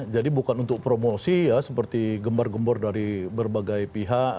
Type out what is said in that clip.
jadi bukan untuk promosi ya seperti gembor gembor dari berbagai pihak